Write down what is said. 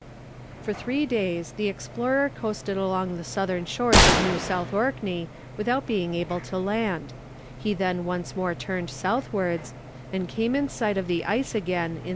For three days the explorer coasted along the southern shores of New South Orkney without being able to land; he then once more turned southwards, and came in sight of the ice again in S.